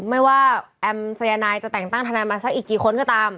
ไม่ว่าแอมสายนายจะแต่งตั้งทนายมาสักอีกกี่คนก็ตาม